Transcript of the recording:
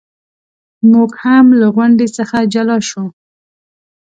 موږ هم له غونډې څخه جلا شو.